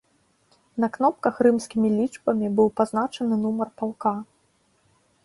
На кнопках рымскімі лічбамі быў пазначаны нумар палка.